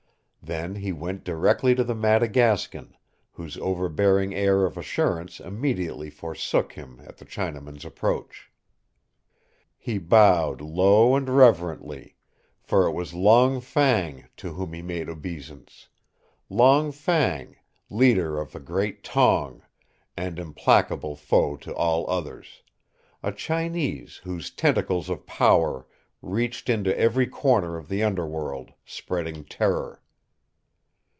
Then he went directly to the Madagascan, whose overbearing air of assurance immediately forsook him at the Chinaman's approach. He bowed low and reverently, for it was Long Fang to whom he made obeisance, Long Fang, leader of a great Tong, and implacable foe to all others, a Chinese whose tentacles of power reached into every corner of the underworld, spreading terror.